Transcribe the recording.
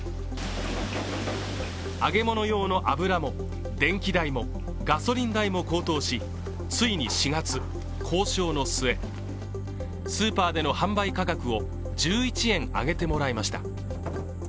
揚げ物用の油も電気代も、ガソリン代も高騰し、ついに４月交渉の末スーパーでの販売価格を１１円上げてもらいました。